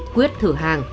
quyết thử hàng